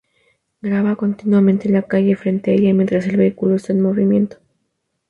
Graba continuamente la calle frente a ella mientras el vehículo está en movimiento.